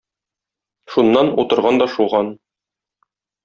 Шуннан, утырган да шуган.